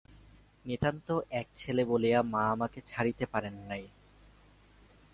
নিতান্ত এক ছেলে বলিয়া মা আমাকে ছাড়িতে পারেন নাই।